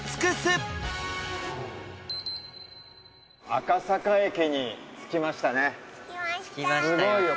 赤坂駅に着きましたねすごいよ